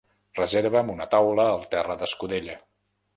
Reserva'm una taula al terra d'escudella.